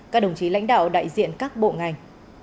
các đồng chí lãnh đạo đại diện các bộ ngành